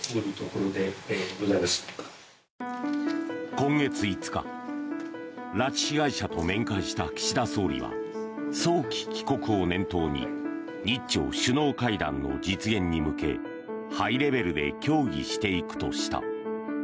今月５日拉致被害者と面会した岸田総理は早期帰国を念頭に日朝首脳会談の実現に向けハイレベルで協議していくとした。